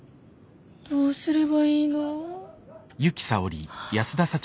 どうすればいいの。